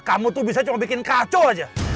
kamu tuh bisa cuma bikin kacau aja